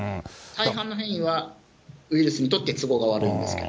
大半の変異はウイルスにとって都合が悪いんですけど。